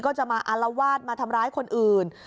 ก็จะมาอารวาสมาทำร้ายคนอื่น